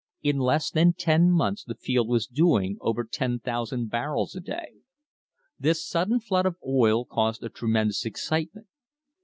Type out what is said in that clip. In less than ten months the field was doing over 10,000 barrels a day. This sudden flood of oil caused a tremendous excitement.